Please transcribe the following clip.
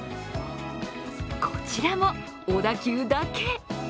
こちらも小田急だけ！